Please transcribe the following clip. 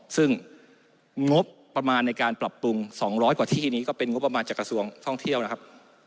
ซึ่งงบประมาณในการปรับปรุง๒๐๐กว่าที่นี้ก็เป็นงบประมาณจากกระทรวงท่องเที่ยวนะครับ